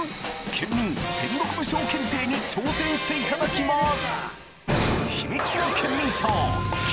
ケンミン戦国武将検定に挑戦していただきます！